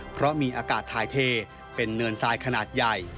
เพราะมีอากาศทายเทเป็นเนินทรายขนาดใหญ่